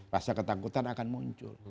rasa ketakutan akan muncul